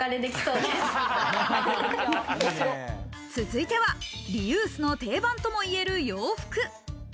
続いては、リユースの定番ともいえる洋服。